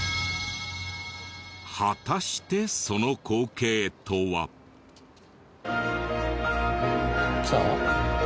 果たしてその光景とは。来た？